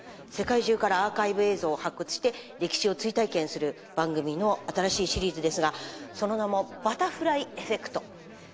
世界中からアーカイブ映像を発掘して歴史を追体験する番組の新しいシリーズですがその名も「バタフライエフェクト」。